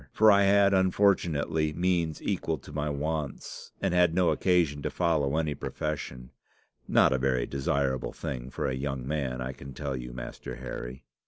For I had unfortunately means equal to my wants, and had no occasion to follow any profession not a very desirable thing for a young man, I can tell you, Master Harry.